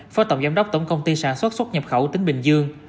phó tổng giám đốc tổng công ty sản xuất xuất nhập khẩu tỉnh bình dương